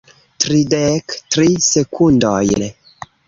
... tridek tri sekundojn